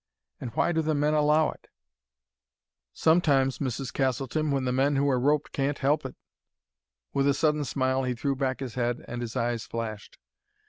And why do the men allow it?" "Sometimes, Mrs. Castleton, when the men who are roped can't help it." With a sudden smile he threw back his head and his eyes flashed.